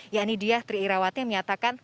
ya ini dia tri irawati yang menyatakan